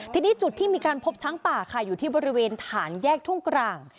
ทีนี้จุดที่มีการพบช้างป่าค่ะอยู่ที่บริเวณฐานแยกทุ่งกลาง